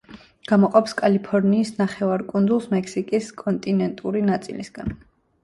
გამოყოფს კალიფორნიის ნახევარკუნძულს მექსიკის კონტინენტური ნაწილისაგან.